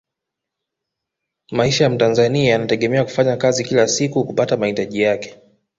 maisha ya mtanzania yanategemea kufanya kazi kila siku kupata mahitaji yake